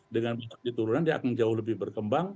dengan transaksi turunan dia akan jauh lebih berkembang